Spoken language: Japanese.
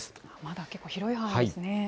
まだ結構、広い範囲ですね。